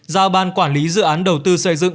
giao ban quản lý dự án đầu tư xây dựng